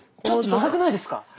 ちょっと長くないですか？